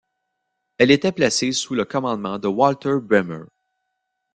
Elle était placée sous le commandement de Walter Brehmer.